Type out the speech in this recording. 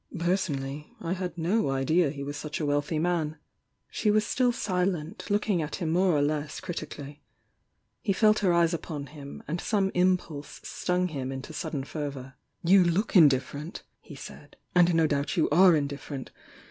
Personally, I had no idea he was such a wealthy man." She was still eilenl, looking at him more or less critically. He felt her eyes upon him, and some im pulse stung him into sudden fervour. "You look indifferent," he said, "and no doubt you are indifferent.